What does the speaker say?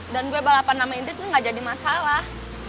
dan gue balapan sama indri tuh gak jadi masalah